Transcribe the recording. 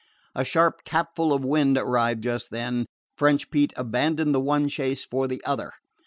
A sharp capful of wind arriving just then, French Pete abandoned the one chase for the other.